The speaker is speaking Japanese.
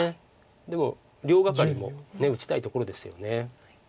でも両ガカリも打ちたいところですよね。